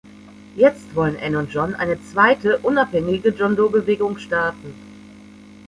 Jetzt wollen Ann und John eine zweite, unabhängige John-Doe-Bewegung starten.